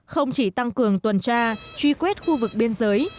không chỉ tăng cường tuần tra truy quét khu vực biên giới